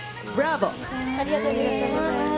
ありがとうございます。